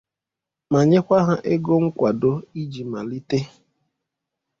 ma nyekwa ha ego nkwàdo iji malite